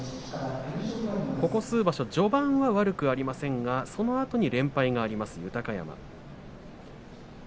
ここ数場所、序盤は悪くありませんがそのあと連敗があります、豊山。